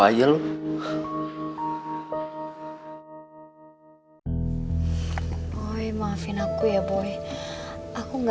emang lu brahwave sampe suced category kaun engga